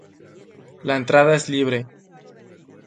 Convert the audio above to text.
La entrada es libre.